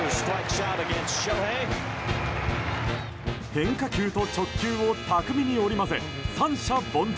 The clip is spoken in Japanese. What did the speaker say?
変化球と直球を巧みに織り交ぜ三者凡退。